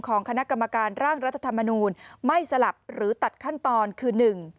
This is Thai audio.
ของคณะกรรมการร่างรัฐธรรมนูลไม่สลับหรือตัดขั้นตอนคือหนึ่ง